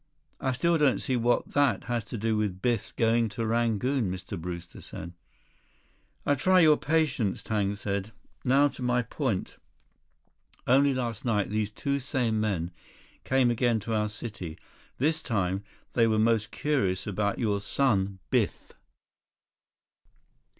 "I still don't see what that has to do with Biff's going to Rangoon," Mr. Brewster said. "I try your patience," Tang said. "Now to my point. Only last night these same two men came again to our city. This time, they were most curious about your son, Biff."